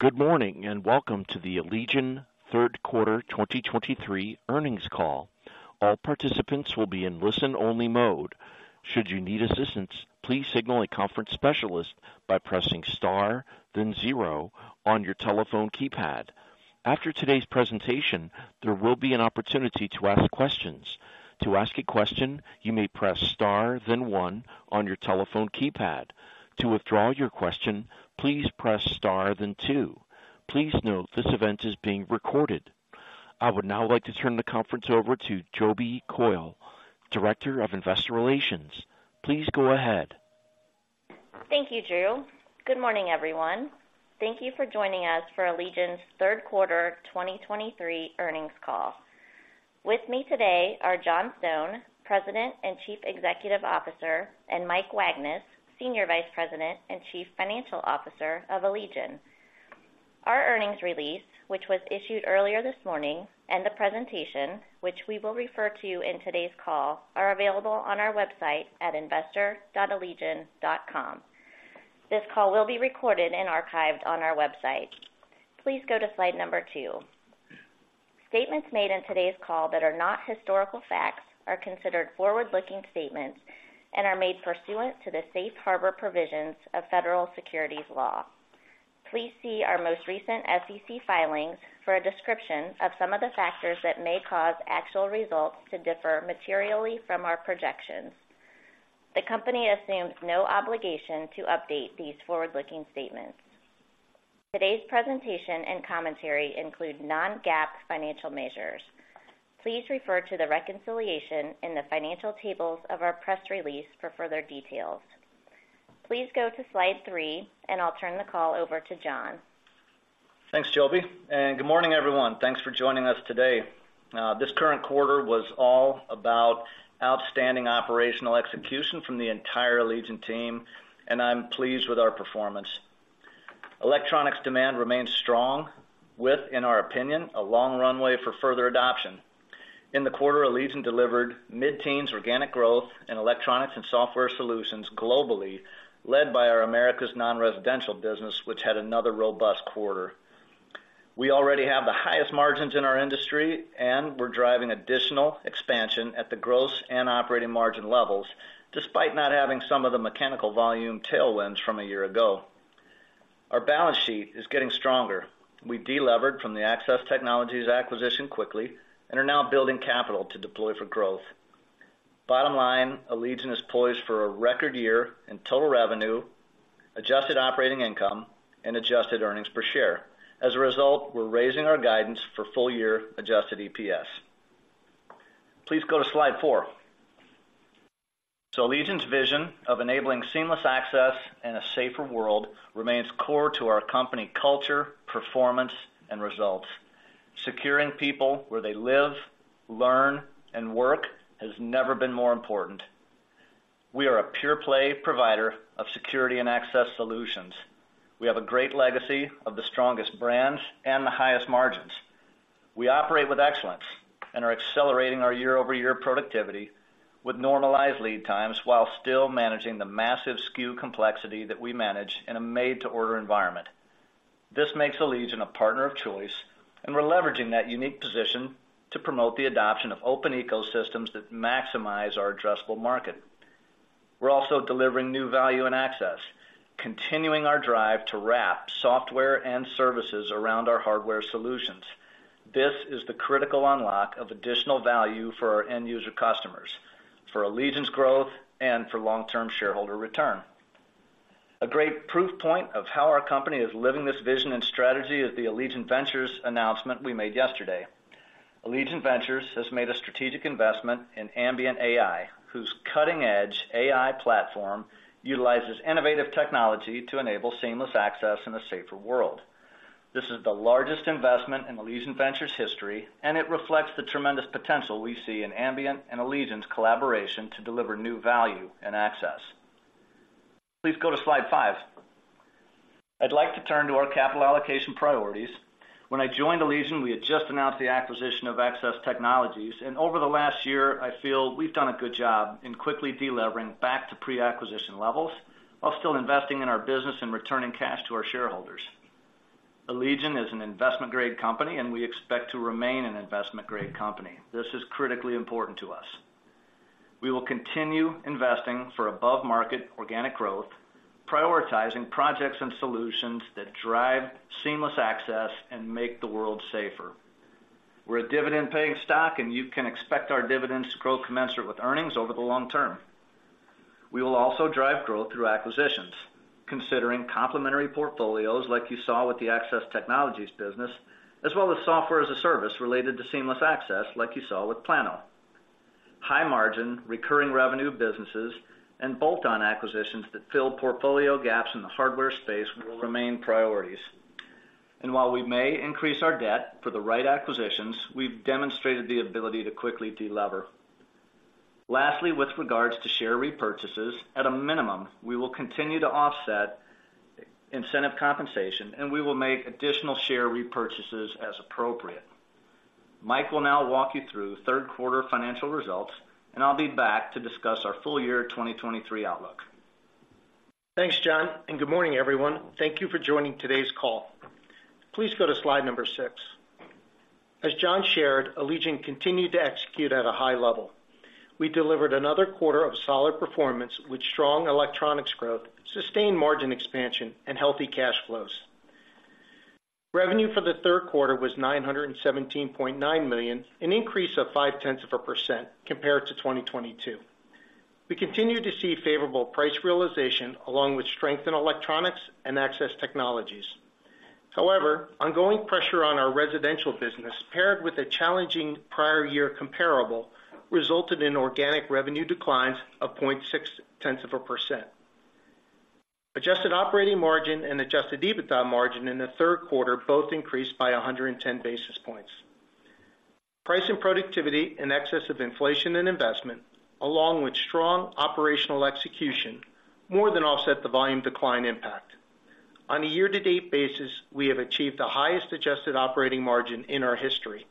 Good morning, and welcome to the Allegion Q3 2023 earnings call. All participants will be in listen-only mode. Should you need assistance, please signal a conference specialist by pressing Star, then zero on your telephone keypad. After today's presentation, there will be an opportunity to ask questions. To ask a question, you may press Star, then one on your telephone keypad. To withdraw your question, please press Star, then two. Please note, this event is being recorded. I would now like to turn the conference over to Jobi Coyle, Director of Investor Relations. Please go ahead. Thank you, Drew. Good morning, everyone. Thank you for joining us for Allegion's Q3 2023 earnings call. With me today are John Stone, President and Chief Executive Officer, and Mike Wagnes, Senior Vice President and Chief Financial Officer of Allegion. Our earnings release, which was issued earlier this morning, and the presentation, which we will refer to in today's call, are available on our website at investor.allegion.com. This call will be recorded and archived on our website. Please go to slide number 2. Statements made in today's call that are not historical facts are considered forward-looking statements and are made pursuant to the safe harbor provisions of federal securities law. Please see our most recent SEC filings for a description of some of the factors that may cause actual results to differ materially from our projections. The company assumes no obligation to update these forward-looking statements. Today's presentation and commentary include non-GAAP financial measures. Please refer to the reconciliation in the financial tables of our press release for further details. Please go to slide 3, and I'll turn the call over to John. Thanks, Jobi, and good morning, everyone. Thanks for joining us today. This current quarter was all about outstanding operational execution from the entire Allegion team, and I'm pleased with our performance. Electronics demand remains strong, with, in our opinion, a long runway for further adoption. In the quarter, Allegion delivered mid-teens organic growth in electronics and software solutions globally, led by our America's non-residential business, which had another robust quarter. We already have the highest margins in our industry, and we're driving additional expansion at the gross and operating margin levels, despite not having some of the mechanical volume tailwinds from a year ago. Our balance sheet is getting stronger. We delevered from the Access Technologies acquisition quickly and are now building capital to deploy for growth. Bottom line, Allegion is poised for a record year in total revenue, adjusted operating income, and adjusted earnings per share. As a result, we're raising our guidance for full-year adjusted EPS. Please go to slide 4. Allegion's vision of enabling seamless access and a safer world remains core to our company culture, performance, and results. Securing people where they live, learn, and work has never been more important. We are a pure play provider of security and access solutions. We have a great legacy of the strongest brands and the highest margins. We operate with excellence and are accelerating our year-over-year productivity with normalized lead times, while still managing the massive SKU complexity that we manage in a made-to-order environment. This makes Allegion a partner of choice, and we're leveraging that unique position to promote the adoption of open ecosystems that maximize our addressable market. We're also delivering new value and access, continuing our drive to wrap software and services around our hardware solutions. This is the critical unlock of additional value for our end user customers, for Allegion's growth, and for long-term shareholder return. A great proof point of how our company is living this vision and strategy is the Allegion Ventures announcement we made yesterday. Allegion Ventures has made a strategic investment in Ambient.ai, whose cutting-edge AI platform utilizes innovative technology to enable seamless access in a safer world. This is the largest investment in Allegion Ventures' history, and it reflects the tremendous potential we see in Ambient.ai and Allegion's collaboration to deliver new value and access. Please go to slide five. I'd like to turn to our capital allocation priorities. When I joined Allegion, we had just announced the acquisition of Access Technologies, and over the last year, I feel we've done a good job in quickly delevering back to pre-acquisition levels while still investing in our business and returning cash to our shareholders. Allegion is an investment-grade company, and we expect to remain an investment-grade company. This is critically important to us. We will continue investing for above-market organic growth, prioritizing projects and solutions that drive seamless access and make the world safer. We're a dividend-paying stock, and you can expect our dividends to grow commensurate with earnings over the long term. We will also drive growth through acquisitions, considering complementary portfolios like you saw with the Access Technologies business, as well as software as a service related to seamless access, like you saw with plano. High-margin, recurring revenue businesses and bolt-on acquisitions that fill portfolio gaps in the hardware space will remain priorities. And while we may increase our debt for the right acquisitions, we've demonstrated the ability to quickly delever. Lastly, with regards to share repurchases, at a minimum, we will continue to offset incentive compensation, and we will make additional share repurchases as appropriate. Mike will now walk you through Q3 financial results, and I'll be back to discuss our full year 2023 outlook. Thanks, John, and good morning, everyone. Thank you for joining today's call. Please go to slide number 6. As John shared, Allegion continued to execute at a high level. We delivered another quarter of solid performance, with strong electronics growth, sustained margin expansion, and healthy cash flows. Revenue for the Q3 was $917.9 million, an increase of 0.5% compared to 2022. We continue to see favorable price realization along with strength in electronics and access technologies. However, ongoing pressure on our residential business, paired with a challenging prior year comparable, resulted in organic revenue declines of 0.6%. Adjusted operating margin and Adjusted EBITDA margin in the Q3 both increased by 110 basis points. Price and productivity in excess of inflation and investment, along with strong operational execution, more than offset the volume decline impact. On a year-to-date basis, we have achieved the highest adjusted operating margin in our history.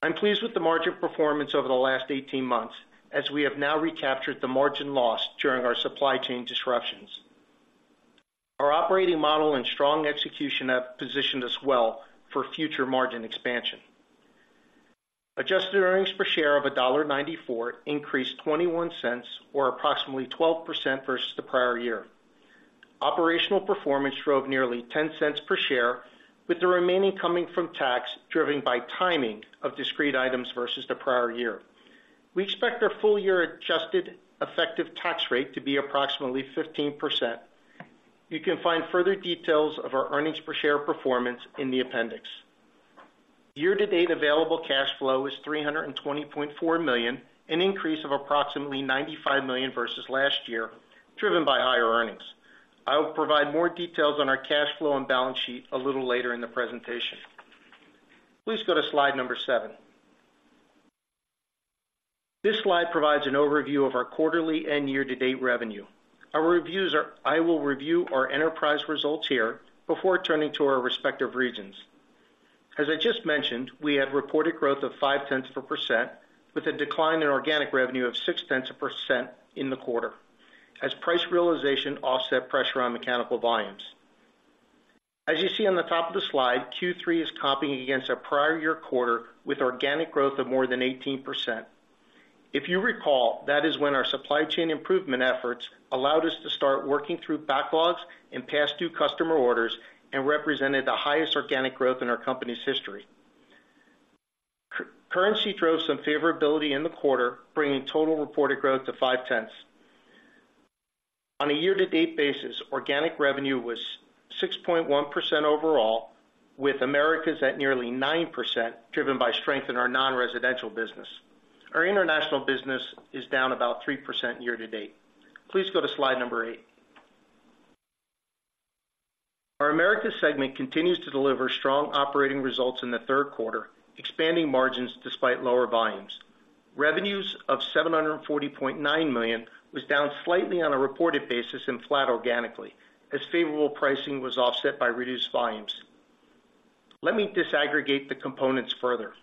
I'm pleased with the margin performance over the last 18 months, as we have now recaptured the margin loss during our supply chain disruptions. Our operating model and strong execution have positioned us well for future margin expansion. Adjusted earnings per share of $1.94 increased $0.21, or approximately 12% versus the prior year. Operational performance drove nearly $0.10 per share, with the remaining coming from tax, driven by timing of discrete items versus the prior year. We expect our full year adjusted effective tax rate to be approximately 15%. You can find further details of our earnings per share performance in the appendix. Year-to-date available cash flow is $320.4 million, an increase of approximately $95 million versus last year, driven by higher earnings. I will provide more details on our cash flow and balance sheet a little later in the presentation. Please go to slide 7. This slide provides an overview of our quarterly and year-to-date revenue. I will review our enterprise results here before turning to our respective regions. As I just mentioned, we had reported growth of 0.5%, with a decline in organic revenue of 0.6% in the quarter, as price realization offset pressure on mechanical volumes. As you see on the top of the slide, Q3 is comping against our prior year quarter with organic growth of more than 18%. If you recall, that is when our supply chain improvement efforts allowed us to start working through backlogs and past due customer orders, and represented the highest organic growth in our company's history. Currency drove some favorability in the quarter, bringing total reported growth to 0.5%. On a year-to-date basis, organic revenue was 6.1% overall, with Americas at nearly 9%, driven by strength in our non-residential business. Our international business is down about 3% year-to-date. Please go to slide number eight. Our Americas segment continues to deliver strong operating results in the Q3, expanding margins despite lower volumes. Revenues of $740.9 million was down slightly on a reported basis and flat organically, as favorable pricing was offset by reduced volumes. Let me disaggregate the components further.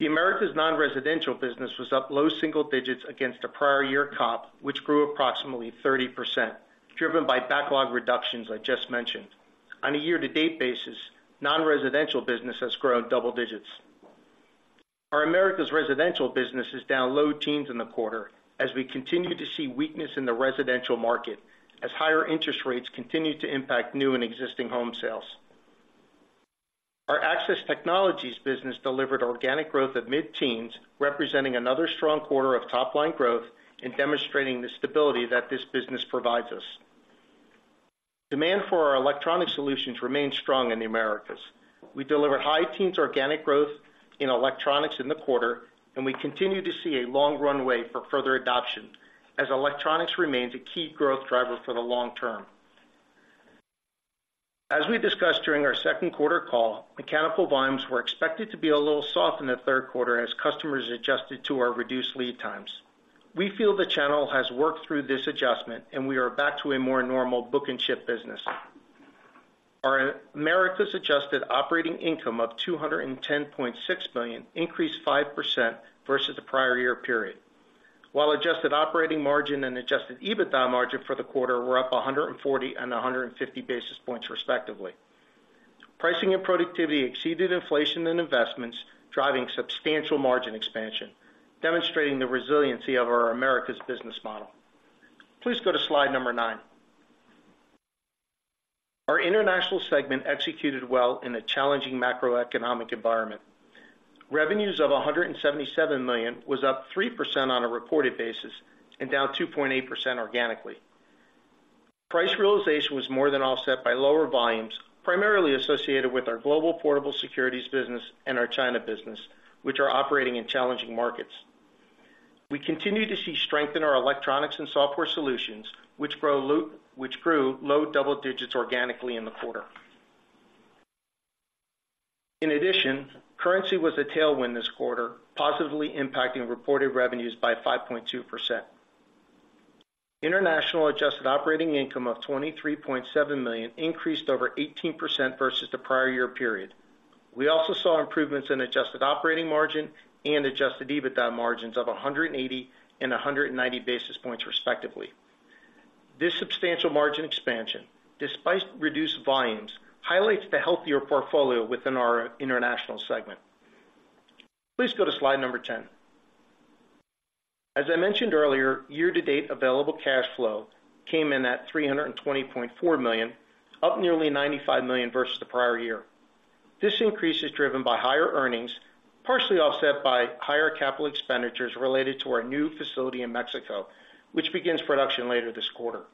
The Americas non-residential business was up low single digits against the prior year comp, which grew approximately 30%, driven by backlog reductions I just mentioned. On a year-to-date basis, non-residential business has grown double digits. Our Americas residential business is down low teens in the quarter, as we continue to see weakness in the residential market, as higher interest rates continue to impact new and existing home sales. Our Access Technologies business delivered organic growth of mid-teens, representing another strong quarter of top-line growth and demonstrating the stability that this business provides us. Demand for our electronic solutions remains strong in the Americas. We delivered high teens organic growth in electronics in the quarter, and we continue to see a long runway for further adoption, as electronics remains a key growth driver for the long term. As we discussed during our Q2 call, mechanical volumes were expected to be a little soft in the Q3 as customers adjusted to our reduced lead times. We feel the channel has worked through this adjustment, and we are back to a more normal book and ship business. Our Americas adjusted operating income of $210.6 million increased 5% versus the prior year period, while adjusted operating margin and adjusted EBITDA margin for the quarter were up 140 and 150 basis points, respectively. Pricing and productivity exceeded inflation and investments, driving substantial margin expansion, demonstrating the resiliency of our Americas business model. Please go to slide number 9. Our international segment executed well in a challenging macroeconomic environment. Revenues of $177 million was up 3% on a reported basis and down 2.8% organically. Price realization was more than offset by lower volumes, primarily associated with our global portable securities business and our China business, which are operating in challenging markets. We continue to see strength in our electronics and software solutions, which grew low double digits organically in the quarter. In addition, currency was a tailwind this quarter, positively impacting reported revenues by 5.2%. International adjusted operating income of $23.7 million increased over 18% versus the prior year period. We also saw improvements in adjusted operating margin and adjusted EBITDA margins of 180 and 190 basis points, respectively. This substantial margin expansion, despite reduced volumes, highlights the healthier portfolio within our international segment. Please go to slide number 10. As I mentioned earlier, year-to-date available cash flow came in at $320.4 million, up nearly $95 million versus the prior year. This increase is driven by higher earnings, partially offset by higher capital expenditures related to our new facility in Mexico, which begins production later this quarter.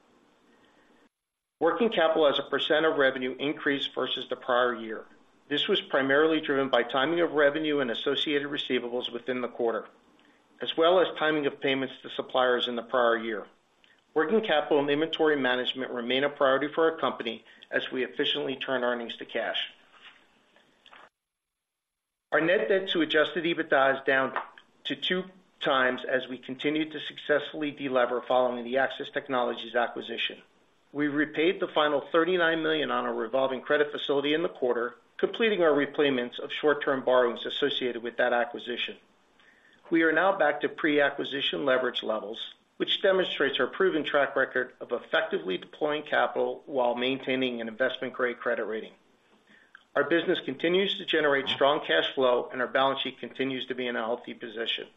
Working capital as a % of revenue increased versus the prior year. This was primarily driven by timing of revenue and associated receivables within the quarter, as well as timing of payments to suppliers in the prior year. Working capital and inventory management remain a priority for our company as we efficiently turn earnings to cash. Our net debt to Adjusted EBITDA is down to 2x as we continue to successfully delever following the Access Technologies acquisition. We repaid the final $39 million on our revolving credit facility in the quarter, completing our repayments of short-term borrowings associated with that acquisition. We are now back to pre-acquisition leverage levels, which demonstrates our proven track record of effectively deploying capital while maintaining an investment-grade credit rating. Our business continues to generate strong cash flow, and our balance sheet continues to be in a healthy position.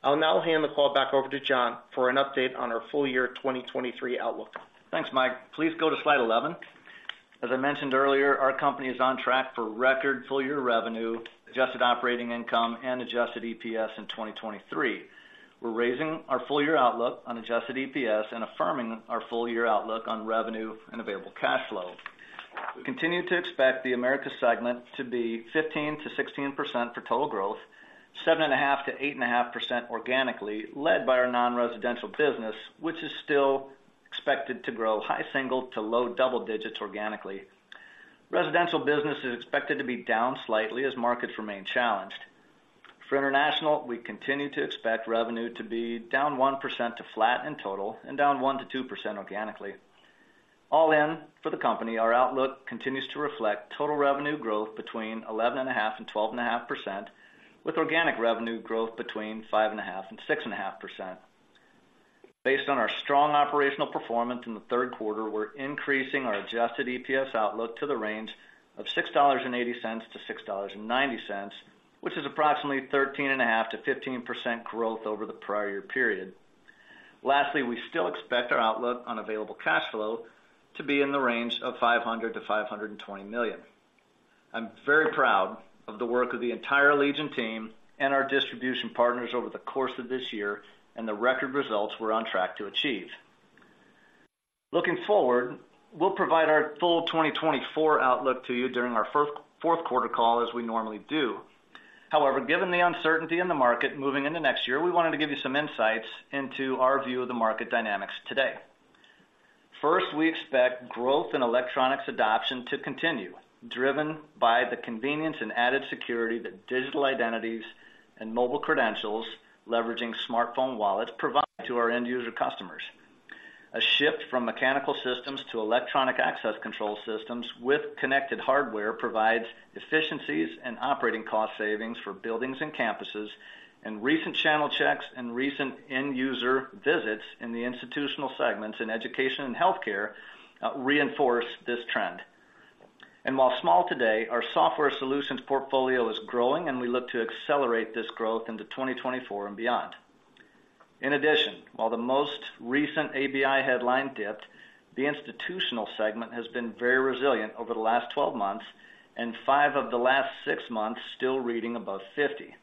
I'll now hand the call back over to John for an update on our full year 2023 outlook. Thanks, Mike. Please go to slide 11. As I mentioned earlier, our company is on track for record full-year revenue, adjusted operating income, and adjusted EPS in 2023. We're raising our full-year outlook on adjusted EPS and affirming our full-year outlook on revenue and available cash flow. We continue to expect the Americas segment to be 15%-16% for total growth, 7.5%-8.5% organically, led by our non-residential business, which is still expected to grow high single to low double digits organically. Residential business is expected to be down slightly as markets remain challenged. For international, we continue to expect revenue to be down 1% to flat in total and down 1%-2% organically. All in, for the company, our outlook continues to reflect total revenue growth between 11.5% and 12.5%, with organic revenue growth between 5.5% and 6.5%. Based on our strong operational performance in the Q3, we're increasing our adjusted EPS outlook to the range of $6.80-$6.90, which is approximately 13.5%-15% growth over the prior year period. Lastly, we still expect our outlook on available cash flow to be in the range of $500 million-$520 million. I'm very proud of the work of the entire Allegion team and our distribution partners over the course of this year and the record results we're on track to achieve. Looking forward, we'll provide our full 2024 outlook to you during our Q4 call, as we normally do. However, given the uncertainty in the market moving into next year, we wanted to give you some insights into our view of the market dynamics today. First, we expect growth in electronics adoption to continue, driven by the convenience and added security that digital identities and mobile credentials, leveraging smartphone wallets, provide to our end user customers. A shift from mechanical systems to electronic access control systems with connected hardware provides efficiencies and operating cost savings for buildings and campuses, and recent channel checks and recent end user visits in the institutional segments in education and healthcare reinforce this trend. And while small today, our software solutions portfolio is growing, and we look to accelerate this growth into 2024 and beyond. In addition, while the most recent ABI headline dipped, the institutional segment has been very resilient over the last 12 months, and five of the last six months still reading above 50.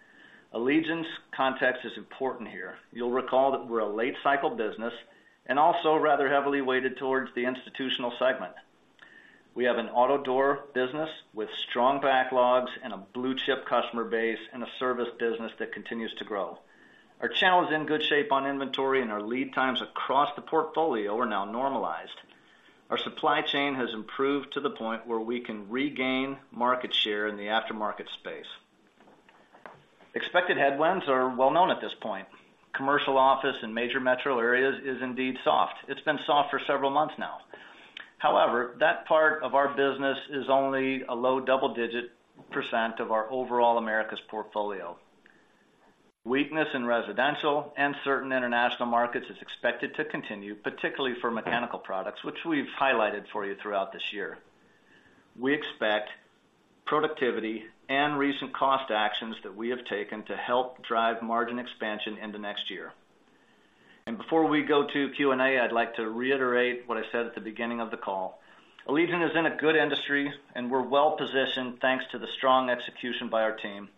Allegion's context is important here. You'll recall that we're a late-cycle business and also rather heavily weighted towards the institutional segment. We have an auto door business with strong backlogs and a blue-chip customer base, and a service business that continues to grow. Our channel is in good shape on inventory, and our lead times across the portfolio are now normalized. Our supply chain has improved to the point where we can regain market share in the aftermarket space. Expected headwinds are well known at this point. Commercial office in major metro areas is indeed soft. It's been soft for several months now. However, that part of our business is only a low double-digit % of our overall Americas portfolio. Weakness in residential and certain international markets is expected to continue, particularly for mechanical products, which we've highlighted for you throughout this year. We expect productivity and recent cost actions that we have taken to help drive margin expansion into next year. Before we go to Q&A, I'd like to reiterate what I said at the beginning of the call. Allegion is in a good industry, and we're well positioned, thanks to the strong execution by our team.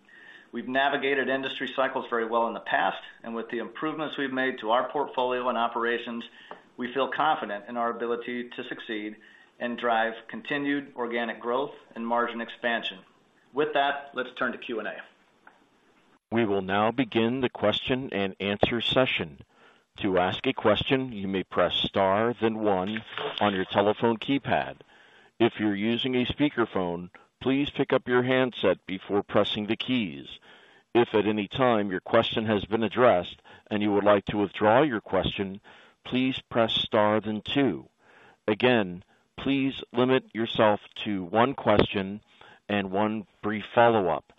We've navigated industry cycles very well in the past, and with the improvements we've made to our portfolio and operations, we feel confident in our ability to succeed and drive continued organic growth and margin expansion. With that, let's turn to Q&A. We will now begin the question and answer session. To ask a question, you may press star, then one on your telephone keypad. If you're using a speakerphone, please pick up your handset before pressing the keys. If at any time your question has been addressed and you would like to withdraw your question, please press Star then two. Again, please limit yourself to one question and one brief follow-up.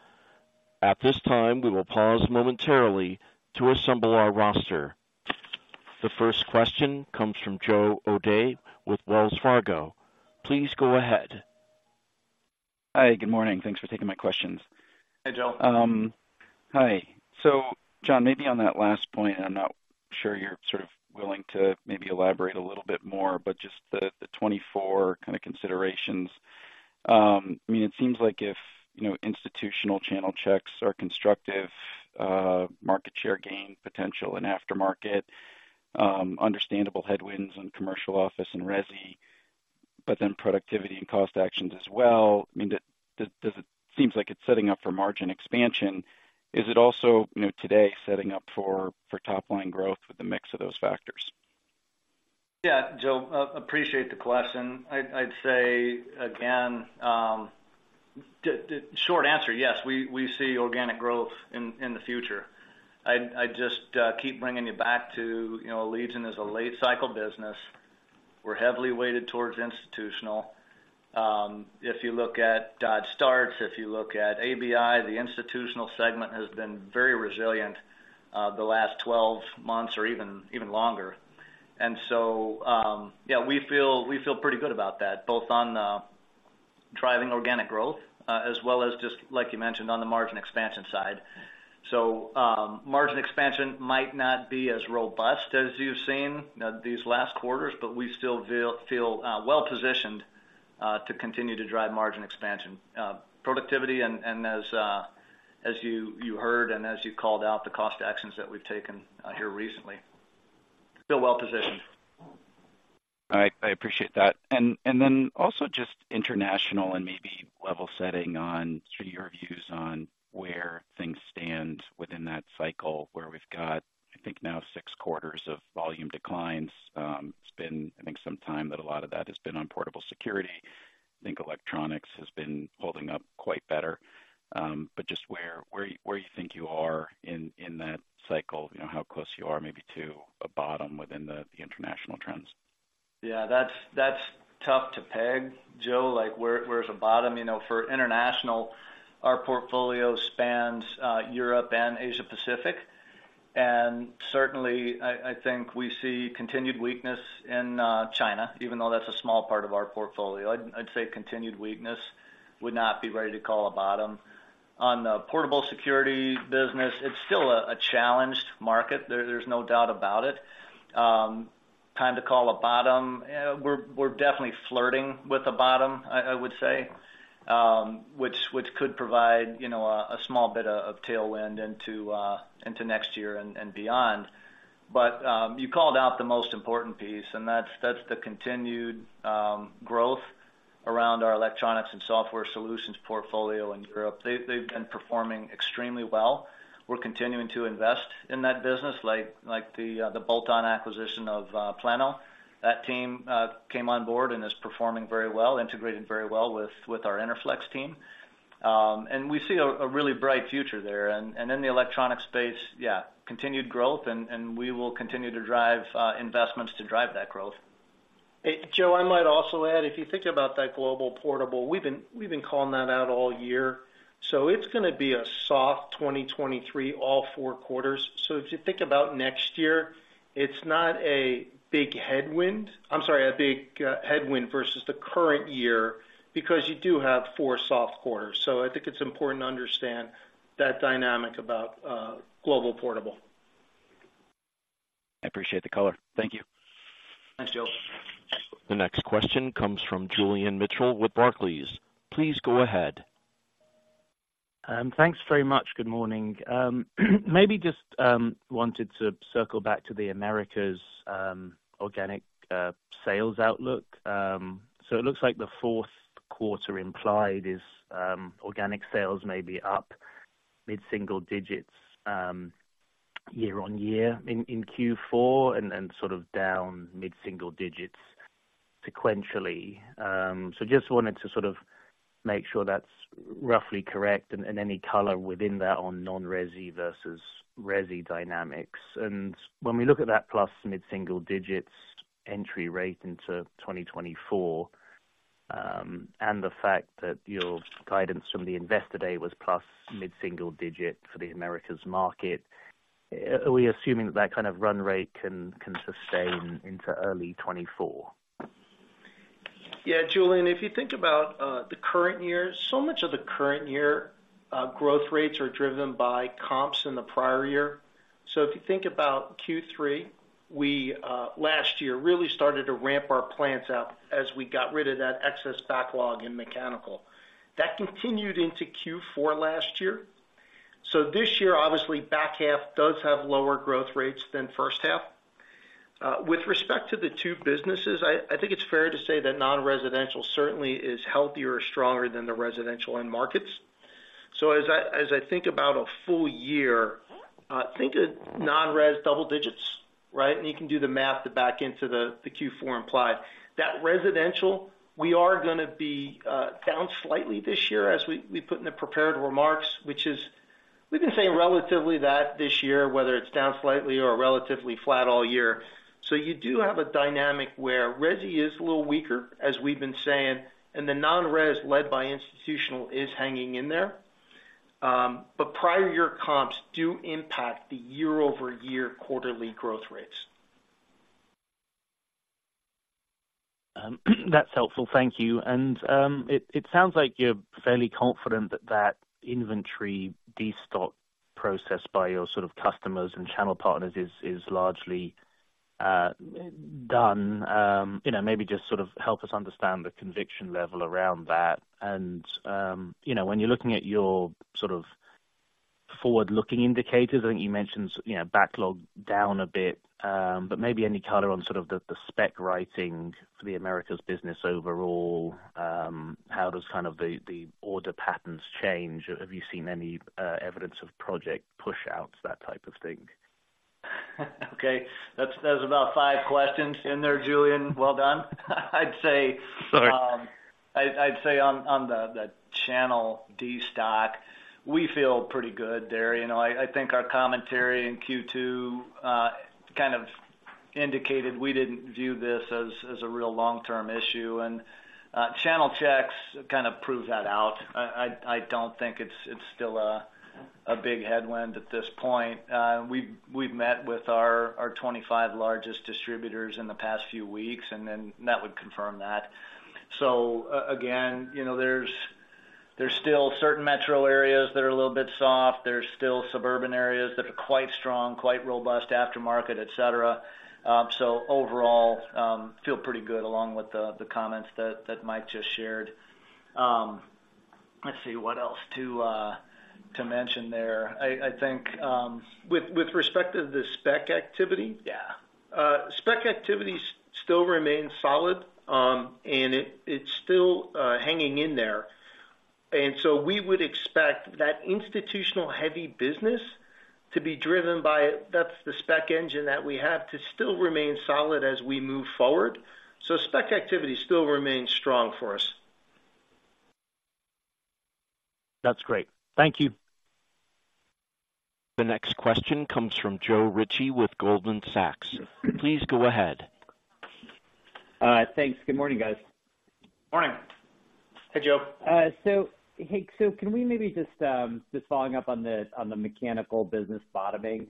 At this time, we will pause momentarily to assemble our roster. The first question comes from Joe O'Dea with Wells Fargo. Please go ahead. Hi, good morning. Thanks for taking my questions. Hey, Joe. Hi. So, John, maybe on that last point, I'm not sure you're sort of willing to maybe elaborate a little bit more, but just the '24 kind of considerations. I mean, it seems like if, you know, institutional channel checks are constructive, market share gain potential and aftermarket, understandable headwinds in commercial office and resi, but then productivity and cost actions as well. I mean, it seems like it's setting up for margin expansion. Is it also, you know, today, setting up for, for top line growth with the mix of those factors? Yeah, Joe, appreciate the question. I'd say, again, the short answer, yes, we see organic growth in the future. I'd just keep bringing you back to, you know, Allegion is a late cycle business. We're heavily weighted towards institutional. If you look at Dodge Starts, if you look at ABI, the institutional segment has been very resilient the last 12 months or even longer. And so, yeah, we feel pretty good about that, both on driving organic growth as well as just like you mentioned, on the margin expansion side. So, margin expansion might not be as robust as you've seen these last quarters, but we still feel well positioned to continue to drive margin expansion. Productivity and as you heard and as you called out, the cost actions that we've taken here recently. Still well-positioned. All right, I appreciate that. And then also just international and maybe level setting on sort of your views on where things stand within that cycle, where we've got, I think now six quarters of volume declines. It's been, I think, some time that a lot of that has been on portable security. I think electronics has been holding up quite better. But just where you think you are in that cycle, you know, how close you are maybe to a bottom within the international trends? Yeah, that's, that's tough to peg, Joe. Like, where, where's the bottom? You know, for international, our portfolio spans Europe and Asia Pacific. And certainly, I think we see continued weakness in China, even though that's a small part of our portfolio. I'd say continued weakness would not be ready to call a bottom. On the portable security business, it's still a challenged market. There's no doubt about it. Time to call a bottom, we're definitely flirting with a bottom, I would say, which could provide, you know, a small bit of tailwind into next year and beyond. But you called out the most important piece, and that's the continued growth around our electronics and software solutions portfolio in Europe. They've been performing extremely well. We're continuing to invest in that business, like the bolt-on acquisition of Plano. That team came on board and is performing very well, integrating very well with our Interflex team. And we see a really bright future there. And in the electronic space, yeah, continued growth, and we will continue to drive investments to drive that growth. Hey, Joe, I might also add, if you think about that global portable, we've been calling that out all year, so it's gonna be a soft 2023, all four quarters. So if you think about next year, it's not a big headwind- I'm sorry, a big headwind versus the current year, because you do have four soft quarters. So I think it's important to understand that dynamic about global portable. I appreciate the color. Thank you. Thanks, Joe. The next question comes from Julian Mitchell with Barclays. Please go ahead. Thanks very much. Good morning. Maybe just wanted to circle back to the Americas organic sales outlook. So it looks like the Q4 implied is organic sales may be up mid-single digits year on year in Q4 and sort of down mid-single digits sequentially. So just wanted to sort of make sure that's roughly correct and any color within that on non-resi vs resi dynamics. And when we look at that plus mid-single digits entry rate into 2024 and the fact that your guidance from the investor day was plus mid-single digit for the Americas market, are we assuming that kind of run rate can sustain into early 2024? Yeah, Julian, if you think about the current year, so much of the current year growth rates are driven by comps in the prior year. So if you think about Q3, we last year really started to ramp our plants out as we got rid of that excess backlog in mechanical. That continued into Q4 last year. So this year, obviously, back half does have lower growth rates than first half. With respect to the two businesses, I think it's fair to say that non-residential certainly is healthier or stronger than the residential end markets. So as I think about a full year, think of non-res double digits, right? And you can do the math to back into the Q4 imply. That residential, we are gonna be down slightly this year as we put in the prepared remarks, which is we've been saying relatively that this year, whether it's down slightly or relatively flat all year. So you do have a dynamic where resi is a little weaker, as we've been saying, and the non-res, led by institutional, is hanging in there. But prior year comps do impact the year-over-year quarterly growth rates. That's helpful. Thank you. And it sounds like you're fairly confident that that inventory destock process by your sort of customers and channel partners is largely done. You know, maybe just sort of help us understand the conviction level around that. And you know, when you're looking at your sort of forward-looking indicators, I think you mentioned you know, backlog down a bit, but maybe any color on sort of the spec writing for the Americas business overall, how does kind of the order patterns change? Have you seen any evidence of project pushouts, that type of thing? Okay, that's, that's about five questions in there, Julian. Well done. I'd say- Sorry. I'd say on the channel destock, we feel pretty good there. You know, I think our commentary in Q2 kind of indicated we didn't view this as a real long-term issue, and channel checks kind of prove that out. I don't think it's still a big headwind at this point. We've met with our 25 largest distributors in the past few weeks, and that would confirm that. So again, you know, there's still certain metro areas that are a little bit soft. There's still suburban areas that are quite strong, quite robust, aftermarket, et cetera. So overall, feel pretty good, along with the comments that Mike just shared. Let's see, what else to mention there? I think with respect to the spec activity, spec activity still remains solid, and it's still hanging in there. And so we would expect that institutional-heavy business to be driven by-- that's the spec engine that we have to still remain solid as we move forward. So spec activity still remains strong for us. That's great. Thank you. The next question comes from Joe Ritchie with Goldman Sachs. Please go ahead. Thanks. Good morning, guys. Morning. Hey, Joe. So, hey, so can we maybe just following up on the mechanical business bottoming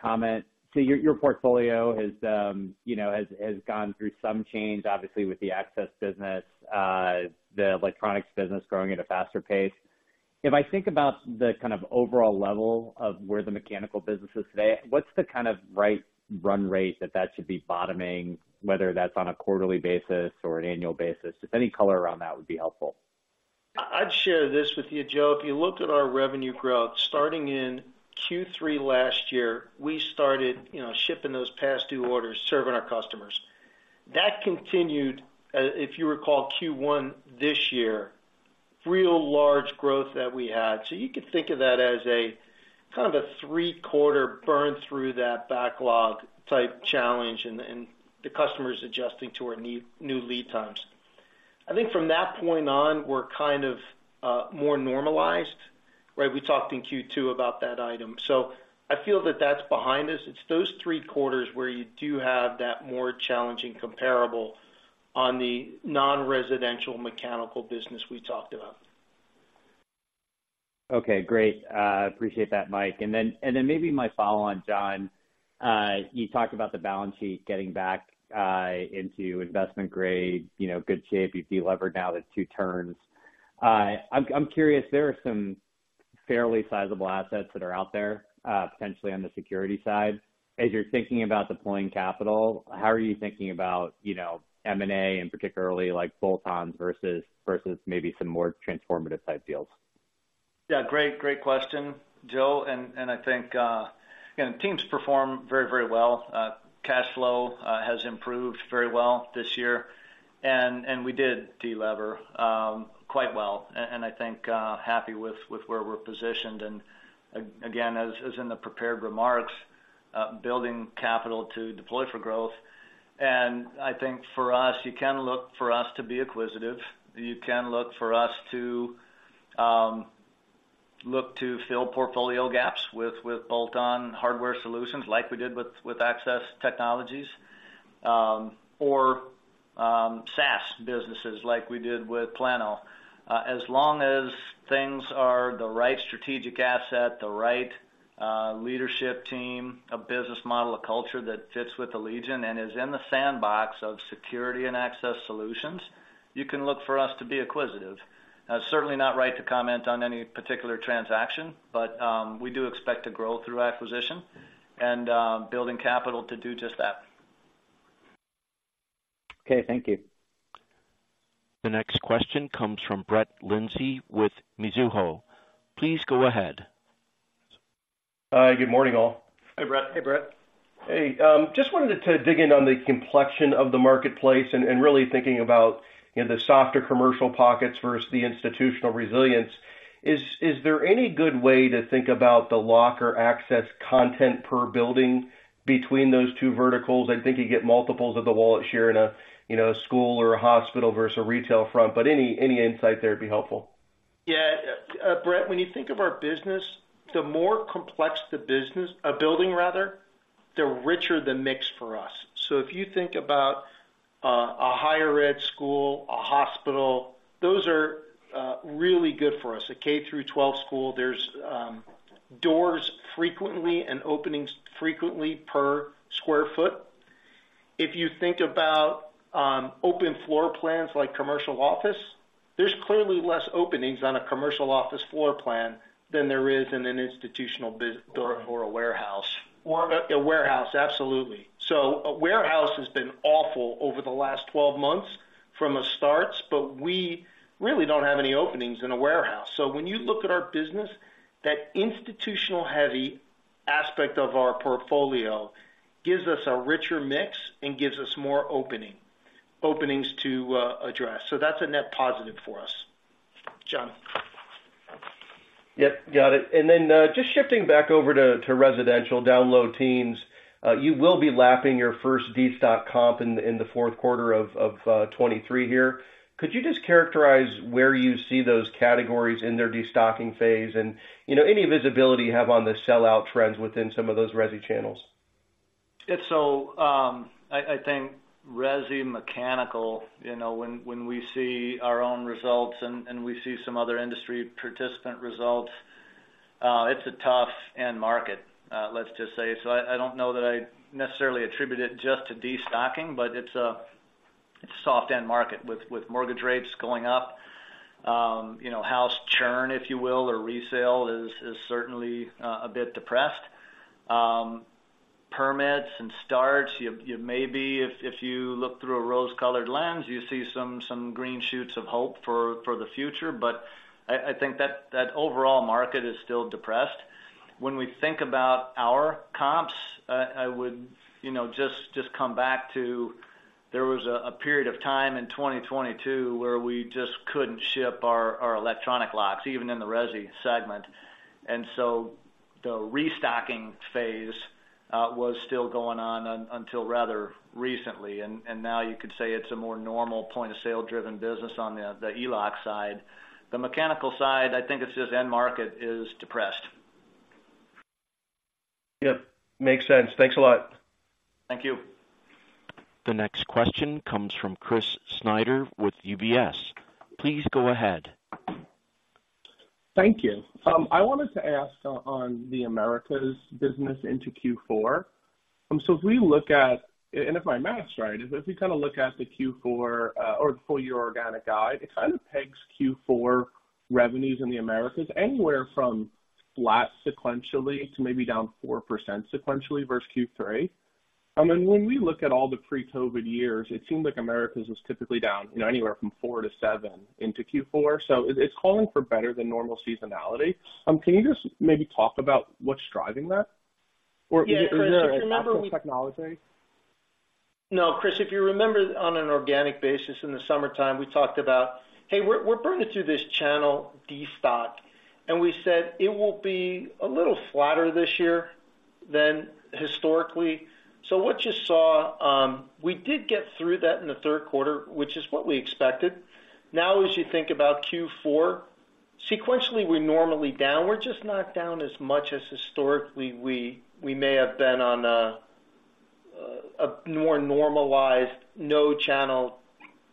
comment. So your portfolio has, you know, has gone through some change, obviously, with the access business, the electronics business growing at a faster pace. If I think about the kind of overall level of where the mechanical business is today, what's the kind of right run rate that that should be bottoming, whether that's on a quarterly basis or an annual basis? If any color around that would be helpful. I'd share this with you, Joe. If you looked at our revenue growth, starting in Q3 last year, we started, you know, shipping those past due orders, serving our customers. That continued, if you recall, Q1 this year, real large growth that we had. So you could think of that as a kind of a three-quarter burn through that backlog type challenge and the customers adjusting to our new lead times. I think from that point on, we're kind of more normalized, right? We talked in Q2 about that item. So I feel that that's behind us. It's those three quarters where you do have that more challenging comparable on the non-residential mechanical business we talked about. Okay, great. Appreciate that, Mike. And then maybe my follow on John. You talked about the balance sheet getting back into investment grade, you know, good shape. You've delevered now the two turns. I'm curious, there are some fairly sizable assets that are out there, potentially on the security side. As you're thinking about deploying capital, how are you thinking about, you know, M&A and particularly, like, bolt-ons versus maybe some more transformative type deals? Yeah, great, great question, Joe. And I think, again, the team's performed very, very well. Cash flow has improved very well this year, and we did delever quite well. And I think happy with where we're positioned. And again, as in the prepared remarks, building capital to deploy for growth. And I think for us, you can look for us to be acquisitive. You can look for us to look to fill portfolio gaps with bolt-on hardware solutions like we did with Access Technologies, or SaaS businesses like we did with plano. As long as things are the right strategic asset, the right leadership team, a business model, a culture that fits with Allegion and is in the sandbox of security and access solutions, you can look for us to be acquisitive. Certainly not right to comment on any particular transaction, but we do expect to grow through acquisition and building capital to do just that. Okay, thank you. The next question comes from Brett Linzey with Mizuho. Please go ahead. ... Hi, good morning, all. Hi, Brett. Hey, Brett. Hey, just wanted to dig in on the complexion of the marketplace and really thinking about, you know, the softer commercial pockets versus the institutional resilience. Is there any good way to think about the lock or access content per building between those two verticals? I think you get multiples of the wallet share in a, you know, a school or a hospital versus a retail front, but any insight there would be helpful. Yeah, Brett, when you think of our business, the more complex the business—a building rather, the richer the mix for us. So if you think about a higher ed school, a hospital, those are really good for us. A K through 12 school, there's doors frequently and openings frequently per square foot. If you think about open floor plans like commercial office, there's clearly less openings on a commercial office floor plan than there is in an institutional business door or a warehouse. Or A warehouse, absolutely. So a warehouse has been awful over the last 12 months from a starts, but we really don't have any openings in a warehouse. So when you look at our business, that institutional-heavy aspect of our portfolio gives us a richer mix and gives us more opening-- openings to address. So that's a net positive for us. John? Yep, got it. And then, just shifting back over to residential down low teens, you will be lapping your first destock comp in the Q4 of 2023 here. Could you just characterize where you see those categories in their destocking phase? And, you know, any visibility you have on the sell-out trends within some of those resi channels. It's so, I think resi mechanical, you know, when we see our own results and we see some other industry participant results, it's a tough end market, let's just say. So I don't know that I'd necessarily attribute it just to destocking, but it's a soft end market with mortgage rates going up. You know, house churn, if you will, or resale, is certainly a bit depressed. Permits and starts, you maybe if you look through a rose-colored lens, you see some green shoots of hope for the future, but I think that overall market is still depressed. When we think about our comps, I would, you know, just, just come back to there was a period of time in 2022, where we just couldn't ship our electronic locks, even in the resi segment. And so the restocking phase was still going on until rather recently, and now you could say it's a more normal point-of-sale driven business on the e-lock side. The mechanical side, I think it's just end market is depressed. Yep, makes sense. Thanks a lot. Thank you. The next question comes from Chris Snyder with UBS. Please go ahead. Thank you. I wanted to ask on, on the Americas business into Q4. So if we look at—and if my math's right, if we kind of look at the Q4, or the full year organic guide, it kind of pegs Q4 revenues in the Americas anywhere from flat sequentially to maybe down 4% sequentially versus Q3. I mean, when we look at all the pre-COVID years, it seemed like Americas was typically down, you know, anywhere from 4-7 into Q4, so it's, it's calling for better than normal seasonality. Can you just maybe talk about what's driving that or is there, if you remember Access Technologies? No, Chris, if you remember, on an organic basis in the summertime, we talked about, "Hey, we're burning through this channel, destock." And we said it will be a little flatter this year than historically. So what you saw, we did get through that in the Q3, which is what we expected. Now, as you think about Q4, sequentially, we're normally down. We're just not down as much as historically we may have been on a more normalized, no channel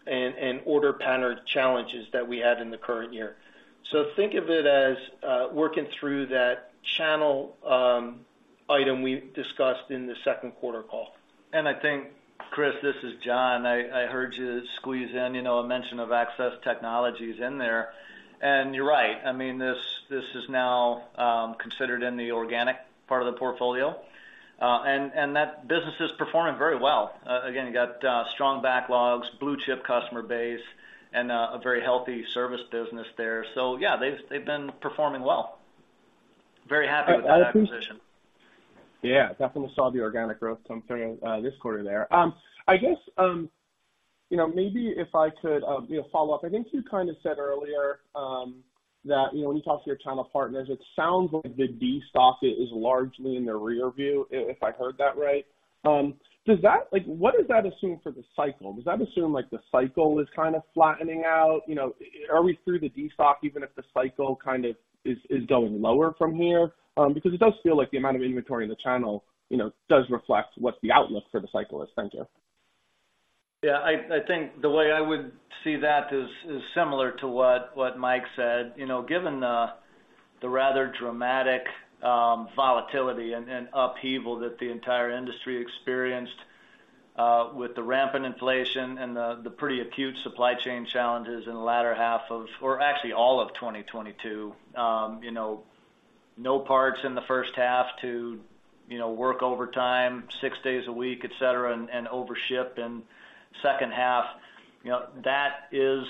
and order pattern challenges that we had in the current year. So think of it as working through that channel item we discussed in the Q2 call. And I think, Chris, this is John. I heard you squeeze in, you know, a mention of Access Technologies in there. And you're right, I mean, this is now considered in the organic part of the portfolio, and that business is performing very well. Again, you got strong backlogs, blue-chip customer base, and a very healthy service business there. So yeah, they've been performing well. Very happy with that acquisition. Yeah, definitely saw the organic growth coming, this quarter there. I guess, you know, maybe if I could, you know, follow up, I think you kind of said earlier, that, you know, when you talk to your channel partners, it sounds like the destock is largely in the rearview, if, if I heard that right. Does that like, what does that assume for the cycle? Does that assume, like, the cycle is kind of flattening out? You know, are we through the destock, even if the cycle kind of is, is going lower from here? Because it does feel like the amount of inventory in the channel, you know, does reflect what the outlook for the cycle is going to. Yeah, I think the way I would see that is similar to what Mike said. You know, given the rather dramatic volatility and upheaval that the entire industry experienced with the rampant inflation and the pretty acute supply chain challenges in the latter half of... or actually, all of 2022, you know, no parts in the first half to, you know, work overtime, 6 days a week and overship in second half. You know, that is,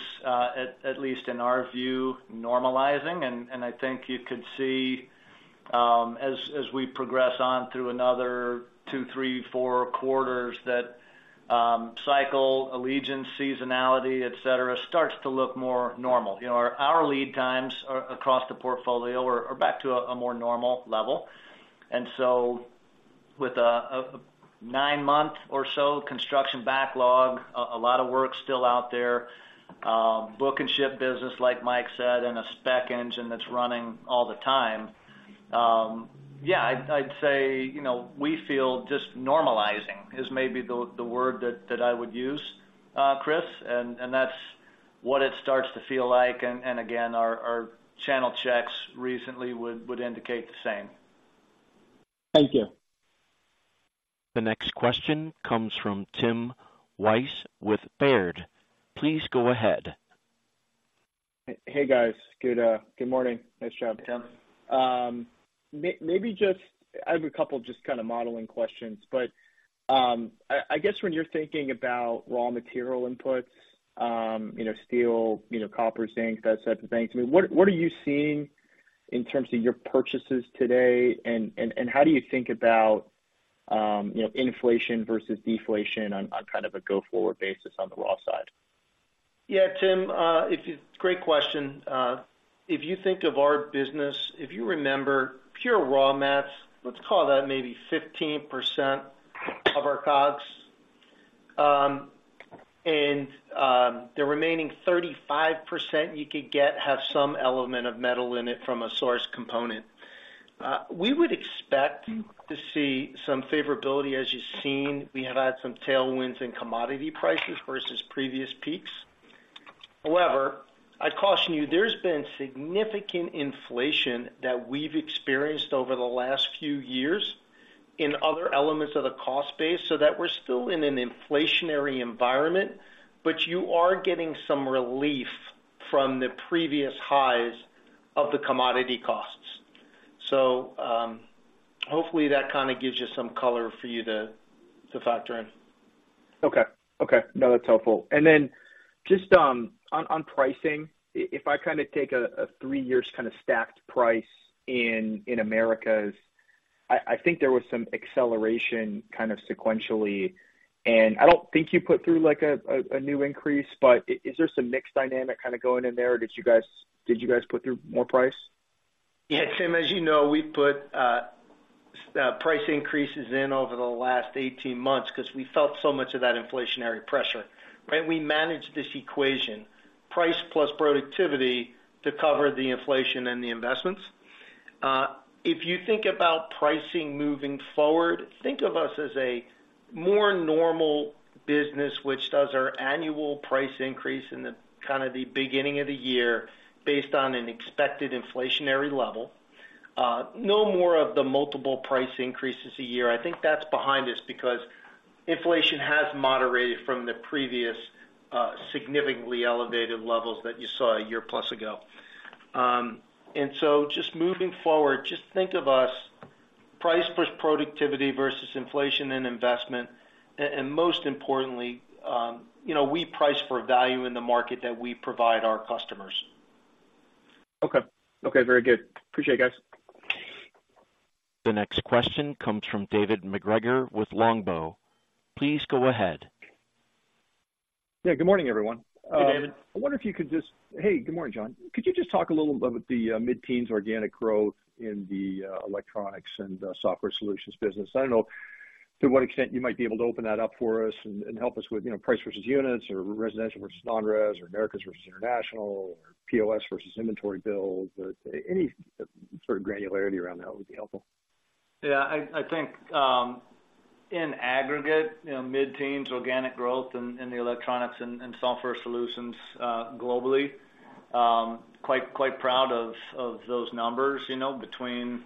at least in our view, normalizing, and I think you could see, as we progress on through another 2, 3, 4 quarters, that cycle, Allegion, seasonality, etc, starts to look more normal. You know, our lead times across the portfolio are back to a more normal level. And so with a nine-month or so construction backlog, a lot of work still out there, book and ship business, like Mike said, and a spec engine that's running all the time. Yeah, I'd say, you know, we feel just normalizing is maybe the word that I would use, Chris, and that's what it starts to feel like. And again, our channel checks recently would indicate the same. Thank you. The next question comes from Tim Wojs with Baird. Please go ahead. Hey, guys. Good, good morning. Nice job. Hey, Tim. Maybe just... I have a couple just kind of modeling questions, but, I guess when you're thinking about raw material inputs, you know, steel, you know, copper, zinc, that type of things, I mean, what are you seeing in terms of your purchases today? And how do you think about, you know, inflation versus deflation on kind of a go-forward basis on the raw side? Yeah, Tim, it's a great question. If you think of our business, if you remember, pure raw mats, let's call that maybe 15% of our COGS. And, the remaining 35% you could get, have some element of metal in it from a source component. We would expect to see some favorability. As you've seen, we have had some tailwinds in commodity prices versus previous peaks. However, I'd caution you, there's been significant inflation that we've experienced over the last few years in other elements of the cost base, so that we're still in an inflationary environment, but you are getting some relief from the previous highs of the commodity costs. So, hopefully, that kind of gives you some color for you to factor in. Okay. Okay, no, that's helpful. And then just on pricing, if I kind of take a three years kind of stacked price in Americas, I think there was some acceleration kind of sequentially, and I don't think you put through, like, a new increase, but is there some mix dynamic kind of going in there? Did you guys put through more price? Yeah, Tim, as you know, we put price increases in over the last 18 months because we felt so much of that inflationary pressure, right? We managed this equation, price plus productivity, to cover the inflation and the investments. If you think about pricing moving forward, think of us as a more normal business, which does our annual price increase in the kind of the beginning of the year, based on an expected inflationary level. No more of the multiple price increases a year. I think that's behind us because inflation has moderated from the previous significantly elevated levels that you saw a year-plus ago. And so just moving forward, just think of us, price plus productivity versus inflation and investment. And most importantly, you know, we price for value in the market that we provide our customers. Okay. Okay, very good. Appreciate it, guys. The next question comes from David MacGregor with Longbow. Please go ahead. Yeah, good morning, everyone. Hey, David. I wonder if you could just... Hey, good morning, John. Could you just talk a little about the mid-teens organic growth in the electronics and software solutions business? I don't know to what extent you might be able to open that up for us and, and help us with, you know, price versus units, or residential versus non-res, or Americas versus international, or POS versus inventory bills, but any sort of granularity around that would be helpful. Yeah, I think, in aggregate, you know, mid-teens organic growth in the electronics and software solutions globally, quite proud of those numbers, you know, between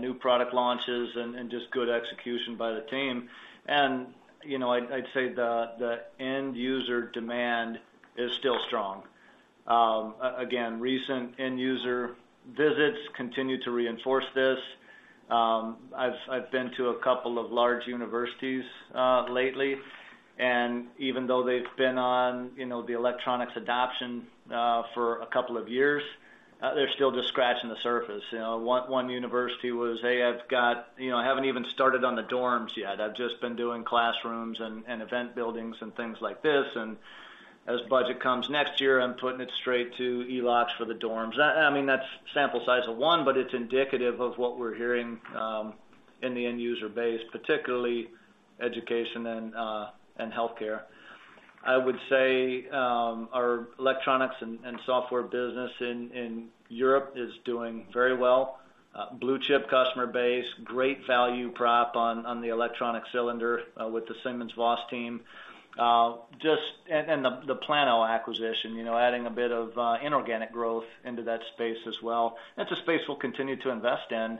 new product launches and just good execution by the team. And, you know, I'd say the end user demand is still strong. Again, recent end user visits continue to reinforce this. I've been to a couple of large universities lately, and even though they've been on, you know, the electronics adoption for a couple of years, they're still just scratching the surface. You know, one university was, "Hey, I've got - you know, I haven't even started on the dorms yet. I've just been doing classrooms and event buildings and things like this. And as budget comes next year, I'm putting it straight to e-locks for the dorms." I mean, that's sample size of one, but it's indicative of what we're hearing in the end user base, particularly education and healthcare. I would say our electronics and software business in Europe is doing very well. Blue chip customer base, great value prop on the electronic cylinder with the SimonsVoss team. And the plano acquisition, you know, adding a bit of inorganic growth into that space as well. That's a space we'll continue to invest in.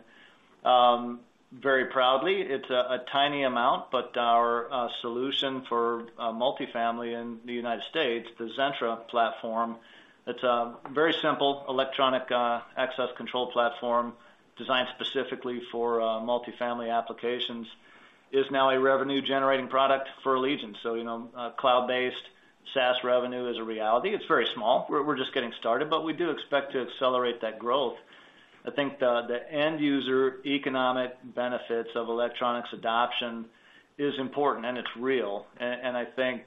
Very proudly, it's a tiny amount, but our solution for multifamily in the United States, the Zentra platform, it's a very simple electronic access control platform designed specifically for multifamily applications is now a revenue-generating product for Allegion. So, you know, cloud-based SaaS revenue is a reality. It's very small. We're just getting started, but we do expect to accelerate that growth. I think the end user economic benefits of electronics adoption is important, and it's real. And I think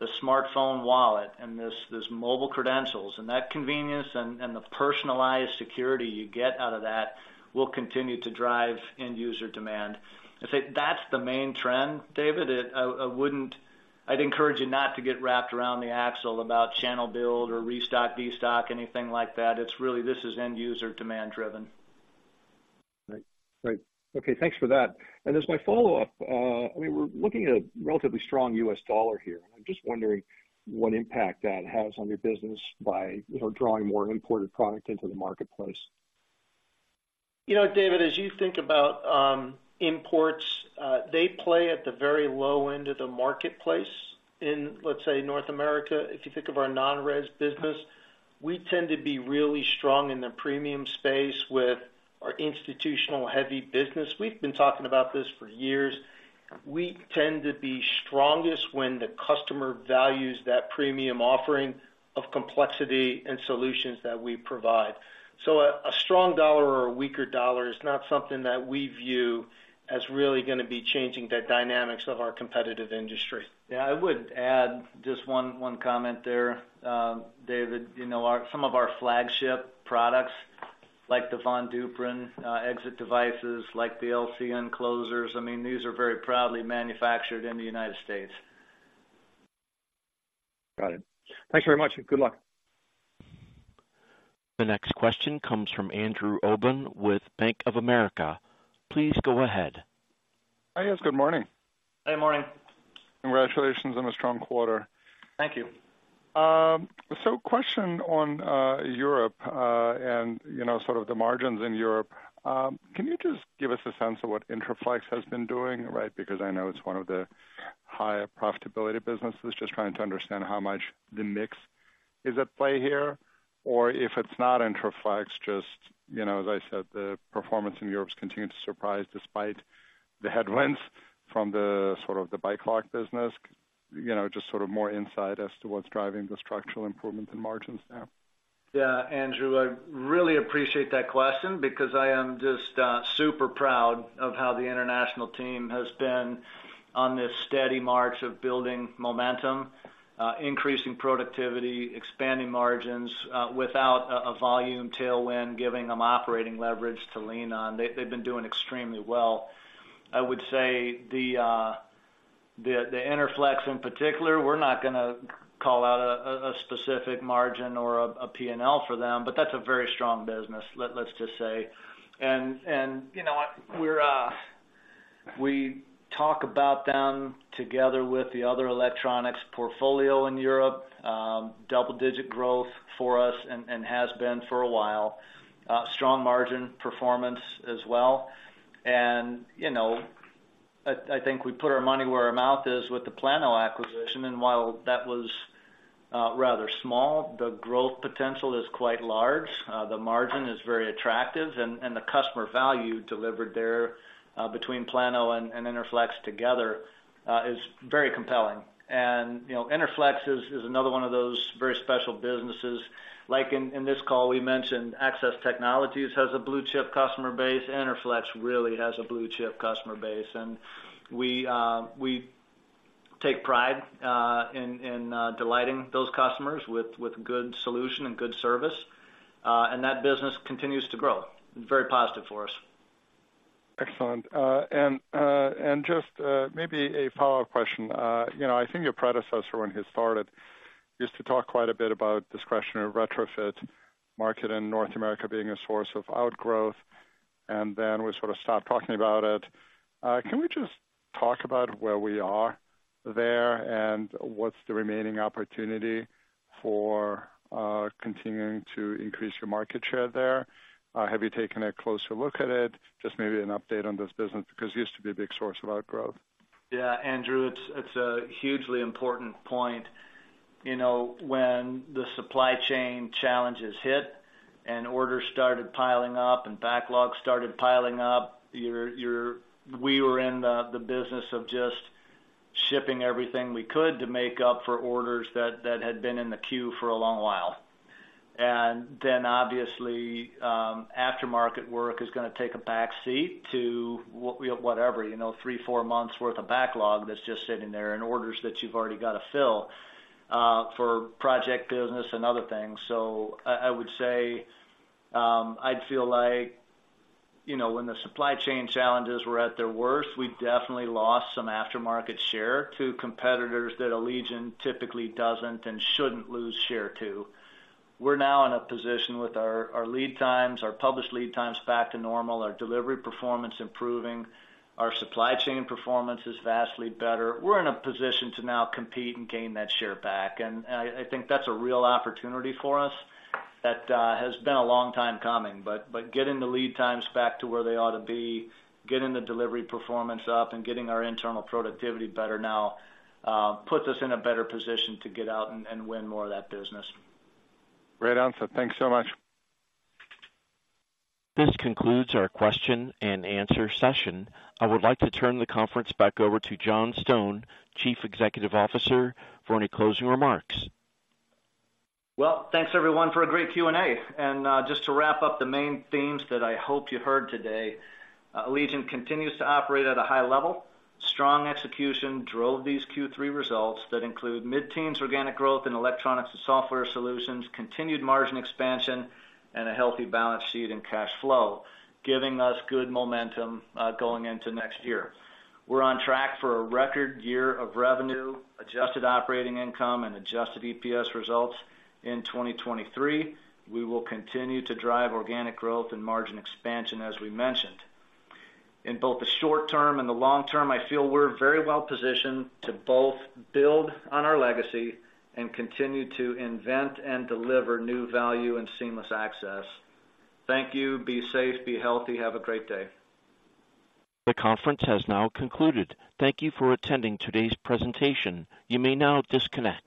the smartphone wallet and this mobile credentials and that convenience and the personalized security you get out of that will continue to drive end user demand. I'd say that's the main trend, David. I wouldn't. I'd encourage you not to get wrapped around the axle about channel build or restock, destock, anything like that. It's really, this is end user demand driven. Right. Right. Okay, thanks for that. And as my follow-up, we were looking at a relatively strong U.S. dollar here. I'm just wondering what impact that has on your business by, you know, drawing more imported product into the marketplace? You know, David, as you think about imports, they play at the very low end of the marketplace in, let's say, North America. If you think of our non-res business, we tend to be really strong in the premium space with our institutional heavy business. We've been talking about this for years. We tend to be strongest when the customer values that premium offering of complexity and solutions that we provide. So a strong dollar or a weaker dollar is not something that we view as really gonna be changing the dynamics of our competitive industry. Yeah, I would add just one comment there, David. You know, our some of our flagship products, like the Von Duprin exit devices, like the LCN closers, I mean, these are very proudly manufactured in the United States. Got it. Thanks very much, and good luck. The next question comes from Andrew Obin with Bank of America. Please go ahead. Hi, guys. Good morning. Good morning. Congratulations on a strong quarter. Thank you. Question on Europe, and you know, sort of the margins in Europe. Can you just give us a sense of what Interflex has been doing, right? Because I know it's one of the higher profitability businesses. Just trying to understand how much the mix is at play here, or if it's not Interflex, just, you know, as I said, the performance in Europe continues to surprise despite the headwinds from the sort of the backlog business. You know, just sort of more insight as to what's driving the structural improvements in margins now. Yeah, Andrew, I really appreciate that question because I am just super proud of how the international team has been on this steady march of building momentum, increasing productivity, expanding margins, without a volume tailwind, giving them operating leverage to lean on. They've been doing extremely well. I would say the Interflex, in particular, we're not gonna call out a specific margin or a PNL for them, but that's a very strong business, let's just say. And you know what? We talk about them together with the other electronics portfolio in Europe, double-digit growth for us and has been for a while. Strong margin performance as well. You know, I think we put our money where our mouth is with the Plano acquisition, and while that was rather small, the growth potential is quite large. The margin is very attractive, and the customer value delivered there between Plano and Interflex together is very compelling. You know, Interflex is another one of those very special businesses. Like in this call, we mentioned Access Technologies has a blue-chip customer base. Interflex really has a blue-chip customer base, and we take pride in delighting those customers with good solution and good service, and that business continues to grow. Very positive for us. Excellent. And just maybe a follow-up question. You know, I think your predecessor, when he started, used to talk quite a bit about discretionary retrofit market in North America being a source of outgrowth, and then we sort of stopped talking about it. Can we just talk about where we are there, and what's the remaining opportunity for continuing to increase your market share there? Have you taken a closer look at it? Just maybe an update on this business, because it used to be a big source of outgrowth. Yeah, Andrew, it's a hugely important point. You know, when the supply chain challenges hit and orders started piling up and backlogs started piling up, we were in the business of just shipping everything we could to make up for orders that had been in the queue for a long while. And then, obviously, aftermarket work is gonna take a backseat to whatever, you know, 3-4 months' worth of backlog that's just sitting there in orders that you've already got to fill for project business and other things. So I would say, I'd feel like, you know, when the supply chain challenges were at their worst, we definitely lost some aftermarket share to competitors that Allegion typically doesn't and shouldn't lose share to. We're now in a position with our lead times, our published lead times back to normal, our delivery performance improving, our supply chain performance is vastly better. We're in a position to now compete and gain that share back, and I think that's a real opportunity for us that has been a long time coming. But getting the lead times back to where they ought to be, getting the delivery performance up, and getting our internal productivity better now puts us in a better position to get out and win more of that business. Great answer. Thanks so much. This concludes our question and answer session. I would like to turn the conference back over to John Stone, Chief Executive Officer, for any closing remarks. Well, thanks, everyone, for a great Q&A. Just to wrap up the main themes that I hope you heard today, Allegion continues to operate at a high level. Strong execution drove these Q3 results that include mid-teens organic growth in electronics and software solutions, continued margin expansion, and a healthy balance sheet and cash flow, giving us good momentum going into next year. We're on track for a record year of revenue, adjusted operating income, and adjusted EPS results in 2023. We will continue to drive organic growth and margin expansion, as we mentioned. In both the short term and the long term, I feel we're very well positioned to both build on our legacy and continue to invent and deliver new value and seamless access. Thank you. Be safe, be healthy, have a great day. The conference has now concluded. Thank you for attending today's presentation. You may now disconnect.